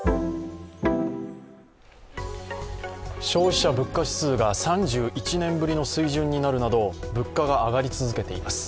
消費者物価指数が３１年ぶりの水準になるなど物価が上がり続けています。